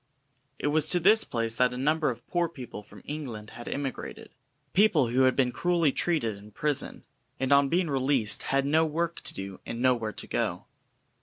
It was to this place that a number of poor people from England had emigrated; people who had been cruelly treated in prison, and on being released had no work to do and nowhere to go.